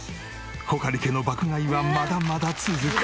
穂刈家の爆買いはまだまだ続く！